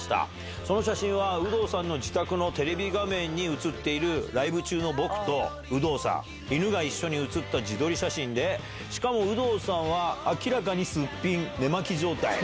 その写真は有働さんの自宅のテレビ画面に映っている、ライブ中の僕と有働さん、犬が一緒に写った自撮り写真で、しかも、有働さんは明らかにすっぴん、寝間着状態。